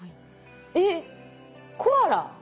えっコアラ。